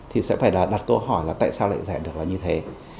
thì sẽ phải là đặt câu hỏi là tại sao lại rẻ được là như thế